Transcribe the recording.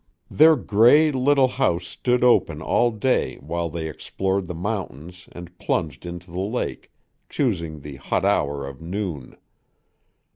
Their gay, little house stood open all day while they explored the mountains and plunged into the lake, choosing the hot hour of noon.